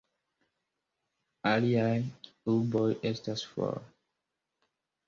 Aliaj urboj estas for.